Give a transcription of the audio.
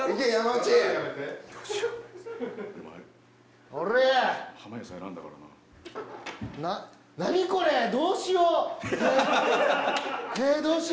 えーどうしよう？